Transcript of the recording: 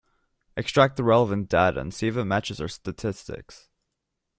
Extract the relevant data and see if it matches our statistics.